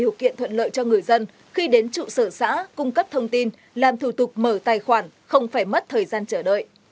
điều kiện thuận lợi cho người dân khi đến trụ sở xã cung cấp thông tin làm thủ tục mở tài khoản không phải mất thời gian chờ đợi